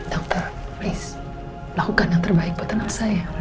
dokter list lakukan yang terbaik buat anak saya